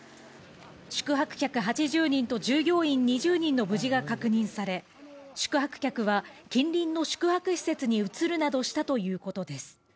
宿泊客８０人と従業員２０人の無事が確認され、宿泊客は、近隣の宿泊施設に移るなどしたということです。